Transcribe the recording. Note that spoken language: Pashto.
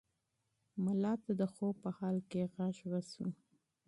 ملا ته د خوب په حال کې غږ وشو.